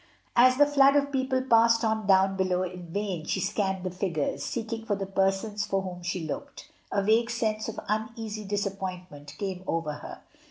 As the flood of people passed on down below in vain she scanned the figures — seeking for the persons for whom she looked. A vague sense of uneasy disappointment came over her.